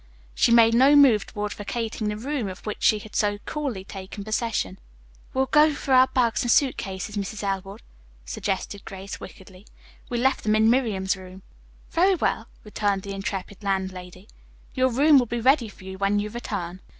She made no move toward vacating the room of which she had so coolly taken possession. "We'll go for our bags and suit cases, Mrs. Elwood," suggested Grace wickedly. "We left them in Miriam's room." "Very well," returned the intrepid landlady. "Your room will be ready for you when you return."